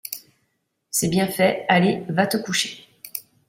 C’est bien fait, allez, va te coucher !